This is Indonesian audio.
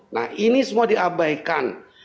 nah ini semua diabaikan